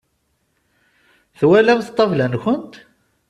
Twalamt ṭṭabla-nkent?